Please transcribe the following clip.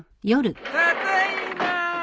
ただいま。